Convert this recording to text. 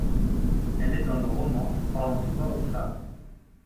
Elle est dans le roman, parlant tout bas aux femmes.